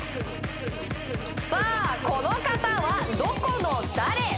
さあこの方はどこの誰？